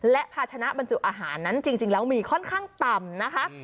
และภาชนะบรรจุอาหารนั้นจริงแล้วมีค่อนข้างต่ำนะคะ